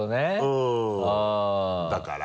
うんだから。